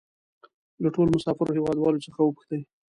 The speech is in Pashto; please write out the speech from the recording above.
له ټولو مسافرو هېوادوالو څخه وپوښتئ.